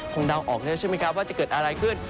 เดาออกแล้วใช่ไหมครับว่าจะเกิดอะไรขึ้น